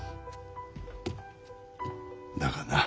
だがな。